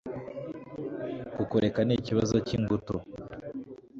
kukureka ni ikibazo cy' ingutu